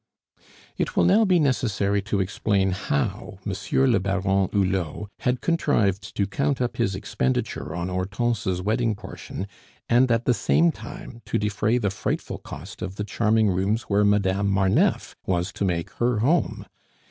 It will now be necessary to explain how Monsieur le Baron Hulot had contrived to count up his expenditure on Hortense's wedding portion, and at the same time to defray the frightful cost of the charming rooms where Madame Marneffe was to make her home.